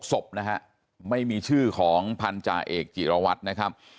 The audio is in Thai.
ศพนะฮะไม่มีชื่อของพันธาเอกจิรวัตรนะครับ